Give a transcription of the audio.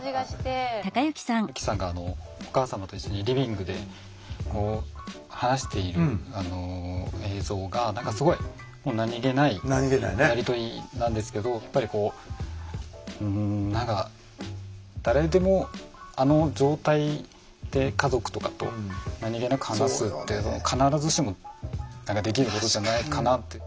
由希さんがお母様と一緒にリビングで話している映像が何かすごいもう何気ないやり取りなんですけどやっぱりこううん何か誰でもあの状態で家族とかと何気なく話すって必ずしもできることじゃないかなって。